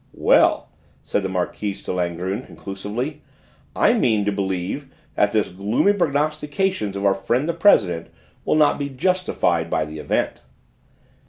"Well," said the Marquise de Langrune conclusively, "I mean to believe that the gloomy prognostications of our friend the president will not be justified by the event."